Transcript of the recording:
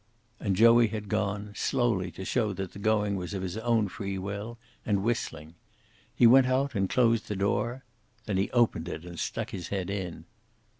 And Joey had gone, slowly to show that the going was of his own free will, and whistling. He went out and closed the door. Then he opened it and stuck his head in.